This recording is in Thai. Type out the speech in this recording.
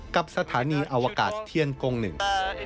กับสถานีอวกาศเทียนกงหนึ่ง